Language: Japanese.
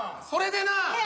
それでなぁ。